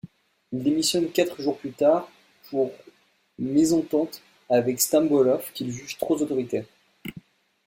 Il démissionne quatre jours plus tard pour mésentente avec Stambolov qu'il juge trop autoritaire.